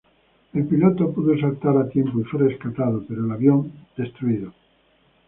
El piloto pudo saltar a tiempo y fue rescatado, pero el avión fue destruido.